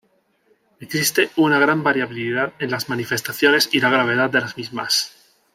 Existe una gran variabilidad en las manifestaciones y la gravedad de las mismas.